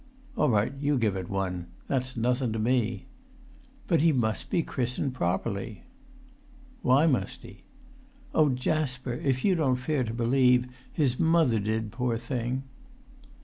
"All right, you give it one. That's nothun to me." "But he must be christened properly." "Why must he?" "Oh, Jasper, if you don't fare to believe, his mother did, poor thing!"